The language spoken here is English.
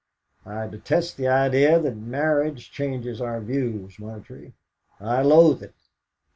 "I detest the idea that marriage changes our views, Margery; I loathe it."